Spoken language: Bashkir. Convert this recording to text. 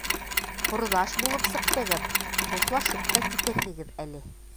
Ҡорҙаш булып сыҡтығыҙ, дуҫлашып та китерһегеҙ әле.